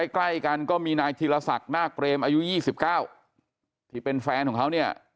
ใกล้กันก็มีนายธีรศักดิ์นาคเปรมอายุ๒๙ที่เป็นแฟนของเขาเนี่ย